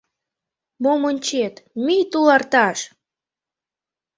Мом ончет, мий туларташ!